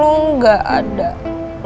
lo gak bisa ngeliat perjuangan kita